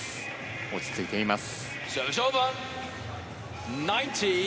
落ち着いています。